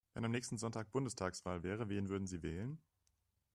Wenn am nächsten Sonntag Bundestagswahl wäre, wen würden Sie wählen?